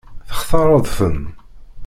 Textaṛeḍ-ten?